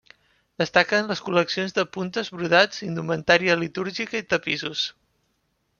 Destaquen les col·leccions de puntes, brodats, indumentària litúrgica i tapissos.